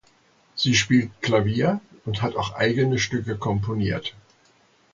Sie spielt Klavier und hat auch eigene Stücke komponiert.